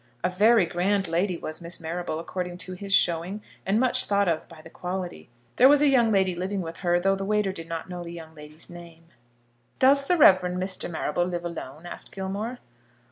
A very grand lady was Miss Marrable, according to his showing, and much thought of by the quality. There was a young lady living with her, though the waiter did not know the young lady's name. "Does the Rev. Mr. Marrable live alone?" asked Gilmore.